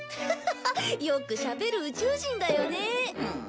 よくしゃべる宇宙人だよね。